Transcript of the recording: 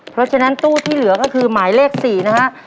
เพราะฉะนั้นตู้ที่เหลือก็คือหมายเลข๔นะฮะ